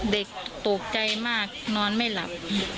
เด็กตกใจมากนอนไม่หลับ